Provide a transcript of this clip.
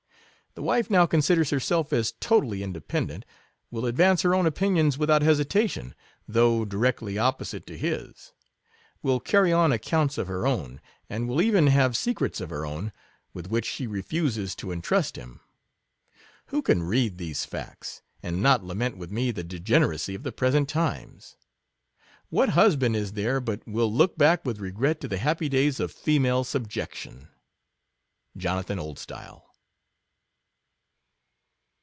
The wife now considers herself as totally in dependent — will advance her own opinions without hesitation, though directly opposite to his — will carry on accounts of her own, and will even have secrets of her own, with which she refuses to intrust him. Who can read these facts, and not lament with me the degeneracy of the present times; — what husband is there but will look back with regret to the happy days of female sub jection. Jonathan Oldstyle.